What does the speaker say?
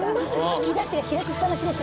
引き出しが開きっぱなしです